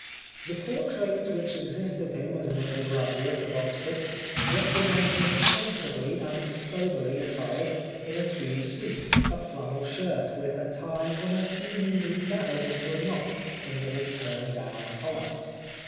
The portraits which exist of him as an undergraduate of Oxford represent him comfortably and soberly a ttired in a tweed suit, a flannel shirt, with a tie unassumingly gathered into a knot under his turn down collar.